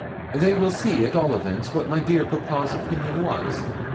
'They will see, at all events, what my dear papa's opinion was.'